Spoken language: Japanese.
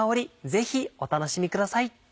ぜひお楽しみください。